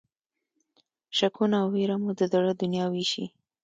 شکونه او وېره مو د زړه دنیا وېشي.